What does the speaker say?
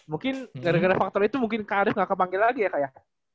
mungkin gara gara faktor itu mungkin kak arif nggak kepanggil lagi ya kak ya